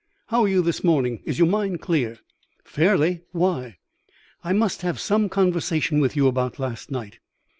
"How are you this morning? Is your mind clear?" "Fairly. Why?" "I must have some conversation with you about last night.